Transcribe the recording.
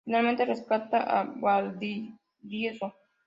Finalmente rescata a Valdivieso.